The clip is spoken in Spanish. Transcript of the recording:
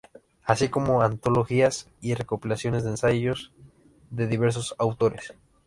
Así como antologías y recopilaciones de ensayos de diversos autores.